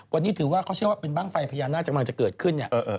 วันนี้ถือว่าเป็นวันบ้างไฟพญานาคจะเกิดขึ้น